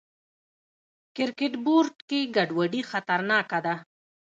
کرکټ بورډ کې ګډوډي خطرناکه ده.